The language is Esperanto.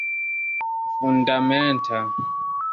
fundamenta